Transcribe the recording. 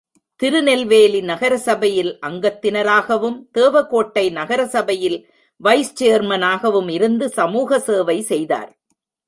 திருநெல்வேலி நகரசபையில் அங்கத்தினராகவும், தேவ கோட்டை நகர சபையில் வைஸ்சேர்மனகவும் இருந்து சமூக சேவை செய்தார்.